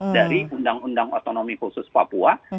dari undang undang otonomi khusus papua